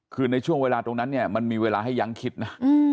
คือในช่วงเวลาตรงนั้นเนี่ยมันมีเวลาให้ยังคิดนะ